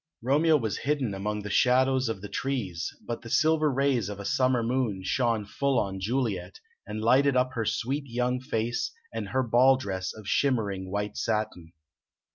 Romeo was hidden among the shadows of the trees, but the silver rays of a summer moon shone full on Juliet, and lighted up her sweet young face and her ball dress of shimmering white satin.